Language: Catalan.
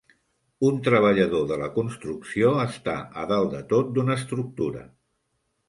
Un treballador de la construcció està a dalt de tot d'una estructura.